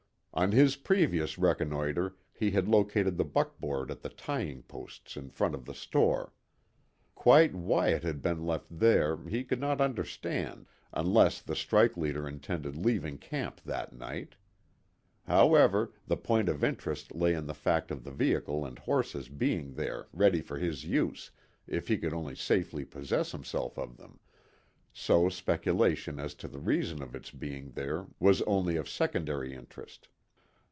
On his previous reconnoitre he had located the buckboard at the tying posts in front of the store. Quite why it had been left there he could not understand, unless the strike leader intended leaving camp that night. However, the point of interest lay in the fact of the vehicle and horses being there ready for his use if he could only safely possess himself of them, so speculation as to the reason of its being there was only of secondary interest.